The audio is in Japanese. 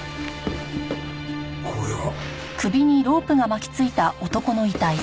これは！